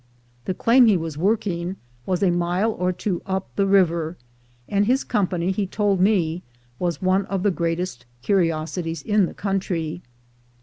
The claim he was working was a mile or two up the river, and his company, he told me, was one of the greatest curiosities in the country.